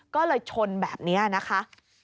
ก็เลยชนแบบนี้นะคะ